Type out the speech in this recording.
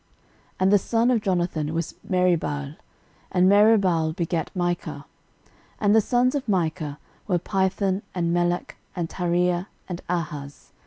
13:008:034 And the son of Jonathan was Meribbaal; and Meribbaal begat Micah. 13:008:035 And the sons of Micah were, Pithon, and Melech, and Tarea, and Ahaz.